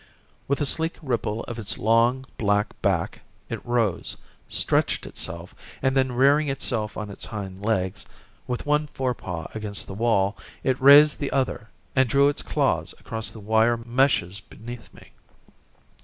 With a sleek ripple of its long, black back it rose, stretched itself, and then rearing itself on its hind legs, with one forepaw against the wall, it raised the other, and drew its claws across the wire meshes beneath me.